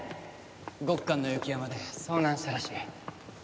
ゴッカンの雪山で遭難したらしい。